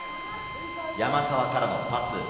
山沢からのパス。